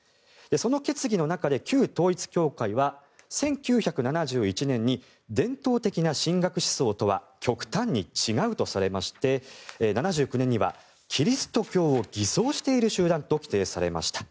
その決議の中で旧統一教会は１９７１年に伝統的な神学思想とは極端に違うとされまして７９年にはキリスト教を偽装している集団と規定されました。